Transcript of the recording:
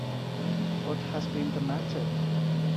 What has been the matter?